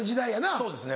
そうですね。